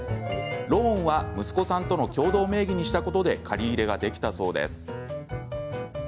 ローンは息子さんとの共同名義にしたことで借り入れができたそうです。